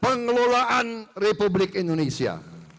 pengelolaan republik indonesia